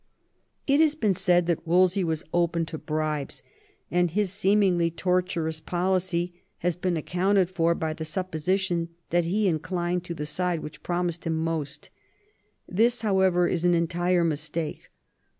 It has been said that Wolsey was open to bribes, and his seemingly tortuous policy has been accounted for by the supposition that he inclined to the side which promised him most This, however, is an entire mistake.